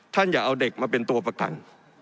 อย่าเอาเด็กมาเป็นตัวประกัน